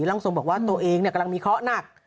ร่างทรงบอกว่าตัวเองกำลังมีเคราะห์หนัก